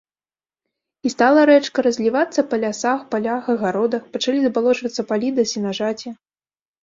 І стала рэчка разлівацца па лясах, палях, агародах, пачалі забалочвацца палі ды сенажаці.